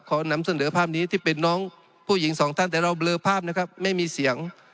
นำเสนอภาพนี้ที่เป็นน้องผู้หญิงสองท่านแต่เราเบลอภาพนะครับไม่มีเสียง